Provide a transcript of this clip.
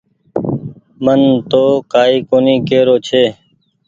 مين تو ڪآئي ڪونيٚ ڪي رو ڇي۔